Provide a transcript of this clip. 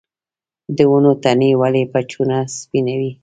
د ونو تنې ولې په چونه سپینوي؟